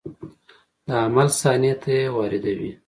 د عمل صحنې ته یې واردوي.